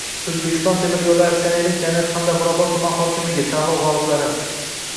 «O‘zbekiston temir yo‘llari» aksionerlik jamiyati hamda Mirobod tumani hokimligi – tanlov g‘oliblari